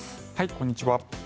こんにちは。